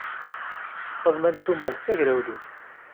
Faḍma n Sumer d tagrawliwt.